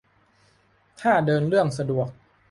ถ้าเดินเรื่องสะดวก